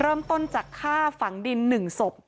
เริ่มต้นจากฆ่าฝังดิน๑ศพ